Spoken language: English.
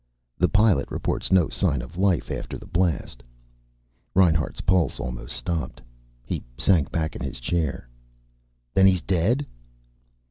"The pilot reports no sign of life after the blast." Reinhart's pulse almost stopped. He sank back in his chair. "Then he's dead!"